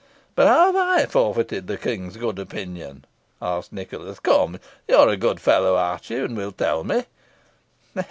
"But how have I forfeited the King's good opinion?" asked Nicholas. "Come, you are a good fellow, Archie, and will tell me."